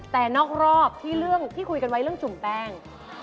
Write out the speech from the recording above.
แต่นอกรอบที่คุยกันไว้เรื่องจุ่มแป้ง